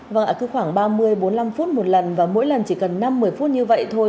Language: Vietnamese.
vâng ạ cứ khoảng ba mươi bốn mươi năm phút một lần và mỗi lần chỉ cần năm một mươi phút như vậy thôi